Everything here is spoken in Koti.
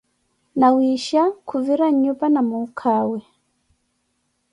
nawiisha khuvira nnyupa na mukhawe